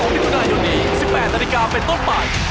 ๒๒มิถุนายนี๑๘นาฬิกาเป็นต้นใหม่